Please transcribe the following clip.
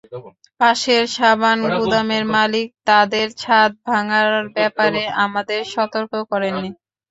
পাশের সাবান গুদামের মালিক তাঁদের ছাদ ভাঙার ব্যাপারে আমাদের সতর্ক করেননি।